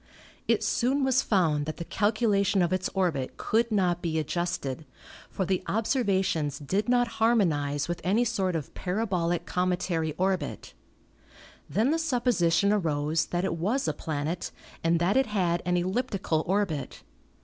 It soon was found that the calculation of its orbit could not be adjusted, for the observations did not harmonize with any sort of para bolic cometary orbit. Then the supposition arose that it was a planet and that it had an elliptical orbit.